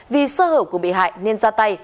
vì sơ hở của bị hại nên ra tay